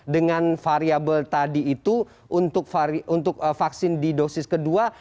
dengan variable tadi itu untuk vaksin di dosis kedua